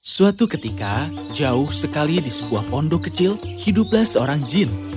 suatu ketika jauh sekali di sebuah pondok kecil hiduplah seorang jin